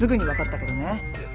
いや。